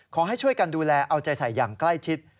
ขอให้ช่วยกันดูแลเอาใจใส่อย่างใกล้ชิด